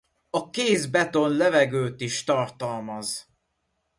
A kész beton levegőt is tartalmaz.